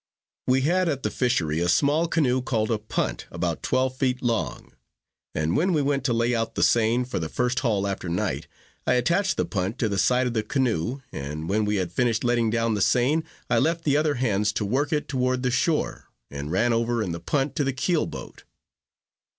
We had at the fishery a small canoe called a punt, about twelve feet long; and when we went to lay out the seine, for the first haul after night, I attached the punt to the side of the canoe, and when we had finished letting down the seine, I left the other hands to work it toward the shore, and ran over in the punt to the keel boat.